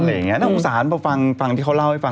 นั่งอุตสานเพราะฟังที่เขาเล่าให้ฟัง